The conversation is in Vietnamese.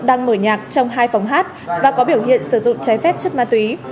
đang mở nhạc trong hai phòng hát và có biểu hiện sử dụng trái phép chất ma túy